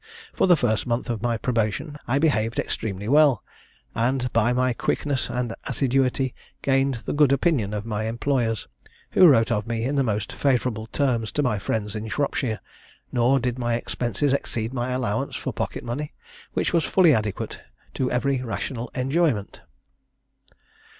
For the first month of my probation I behaved extremely well, and by my quickness and assiduity gained the good opinion of my employers, who wrote of me in the most favourable terms to my friends in Shropshire; nor did my expenses exceed my allowance for pocket money, which was fully adequate to every rational enjoyment.